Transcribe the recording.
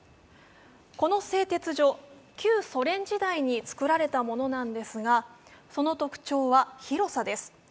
この製鉄所、旧ソ連時代に造られたものなんですが、その特徴は広さです。